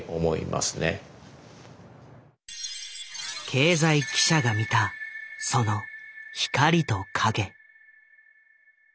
経済記者が見たその光と影。